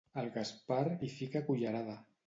El Gaspar hi fica cullerada.